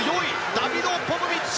ダビド・ポポビッチ。